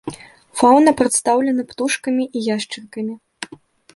Фаўна прадстаўлена птушкамі і яшчаркамі.